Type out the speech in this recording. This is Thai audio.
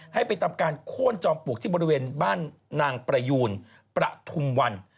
ให้ไปทำการโค้นจอมปลวกที่บริเวณบ้านนางประยูนประทุมวัน